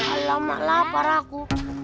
alamak lapar aku